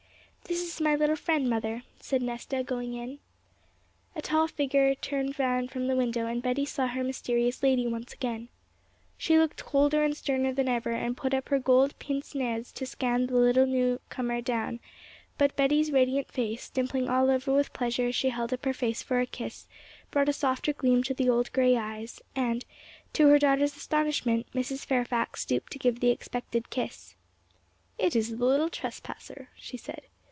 'This is my little friend, mother,' said Nesta, going in. A tall figure turned round from the window, and Betty saw her mysterious lady once again. She looked colder and sterner than ever, and put up her gold pince nez to scan the little new comer down; but Betty's radiant face, dimpling all over with pleasure as she held up her face for a kiss, brought a softer gleam to the old grey eyes, and, to her daughter's astonishment, Mrs. Fairfax stooped to give the expected kiss. 'It is the little trespasser,' she said.